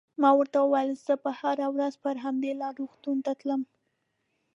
ما ورته وویل: زه به هره ورځ پر همدې لار روغتون ته تلم.